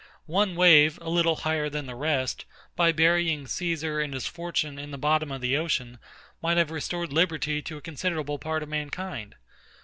One wave, a little higher than the rest, by burying CAESAR and his fortune in the bottom of the ocean, might have restored liberty to a considerable part of mankind.